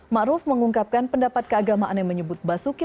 ma'ruf mengungkapkan pendapat keagamaan yang menyebut basuki